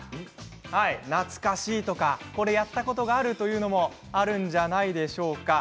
懐かしいとか、これやったことがあるというのもあるんじゃないでしょうか。